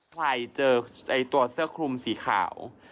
ใครเจอตัวเสื้อคลุมสีขาว